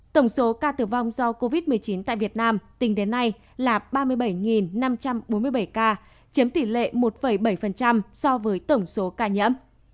tổng số ca tử vong do covid một mươi chín tại việt nam tính đến nay là ba mươi bảy năm trăm bốn mươi bảy ca chiếm tỷ lệ một bảy so với tổng số ca nhiễm